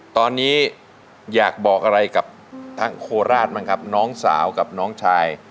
ตอนนี้อยากบอกอะไรกับทางโคราชบ้างครับน้องสาวกับน้องชาย